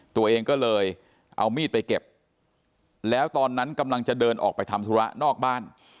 ตัวเองก็เลยเอามีดไปเก็บแล้วตอนนั้นกำลังจะเดินออกไปทำธุระนอกบ้าน